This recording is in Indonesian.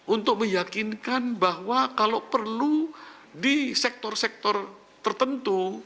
untuk meyakinkan bahwa kalau perlu di sektor sektor tertentu